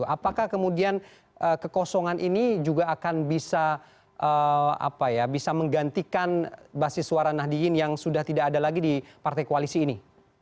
apakah kemudian kekosongan ini juga akan bisa menggantikan basis suara nahdiyin yang sudah tidak ada lagi di partai koalisi ini